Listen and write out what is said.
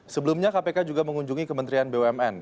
sebelumnya kpk juga mengunjungi kementerian bumn